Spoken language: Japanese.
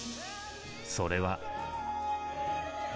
それは。